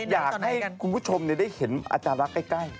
อยากให้คุณผู้ชมได้เห็นอาจารย์รักใกล้